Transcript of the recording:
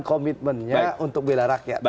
komitmennya untuk bela rakyat